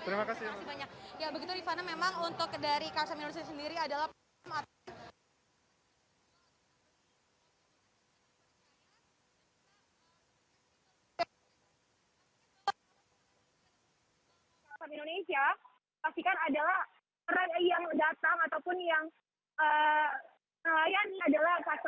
terima kasih banyak